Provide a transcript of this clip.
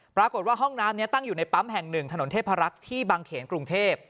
ปรากฏว่าห้องน้ำนี้ตั้งอยู่ในปั๊มแห่งหนึ่งถนนเทพรักษ์ที่บางเขนกรุงเทพ